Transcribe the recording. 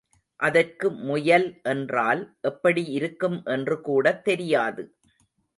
அதற்கு முயல் என்றால் எப்படி இருக்கும் என்று கூடத் தெரியாது.